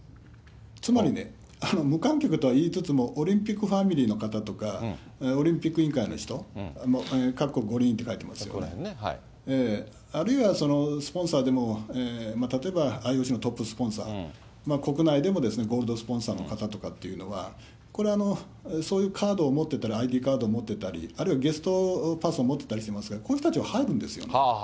つまりね、無観客とはいいつつも、オリンピックファミリーの方とか、オリンピック委員会の人、各国五輪って書いてますけど、あるいはスポンサーでも、例えばＩＯＣのトップスポンサー、国内でもゴールドスポンサーの方というのは、これはそういうカードを持ってたり、ＩＤカードを持ってたり、あるいはゲストパスを持ってたりしますから、こういう人たちは入るんですよね。